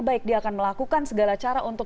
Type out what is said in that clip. baik dia akan melakukan segala cara untuk